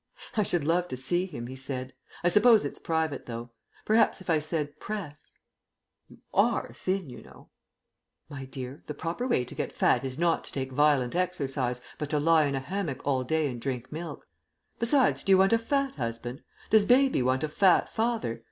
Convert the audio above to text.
"I should love to see him," he said. "I suppose it's private, though. Perhaps if I said 'Press' " "You are thin, you know." "My dear, the proper way to get fat is not to take violent exercise, but to lie in a hammock all day and drink milk. Besides, do you want a fat husband? Does Baby want a fat father?